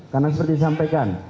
karena seperti disampaikan